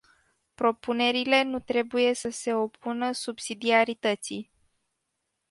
Propunerile nu trebuie să se opună subsidiarității.